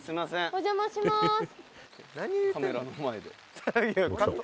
「お邪魔しまーす」